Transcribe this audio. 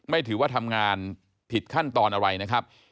ไม่ถือว่าทำงานผิดขั้นตอนอะไรนะครับ